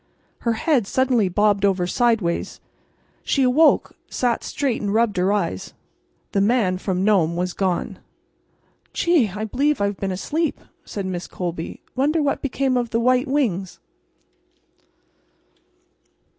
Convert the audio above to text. Her head suddenly bobbed over sideways. She awoke, sat straight, and rubbed her eyes. The Man from Nome was gone. "Gee! I believe I've been asleep," said Miss Colby. "Wonder what became of the White Wings!"